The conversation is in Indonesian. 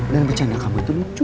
dan bercanda kamu itu lucu